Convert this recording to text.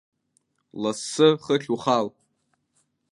Лассы хыхь ухал!